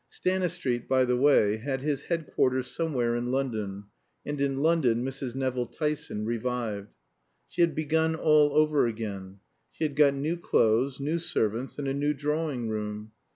Stanistreet, by the way, had his headquarters somewhere in London; and in London Mrs. Nevill Tyson revived. She had begun all over again. She had got new clothes, new servants, and a new drawing room.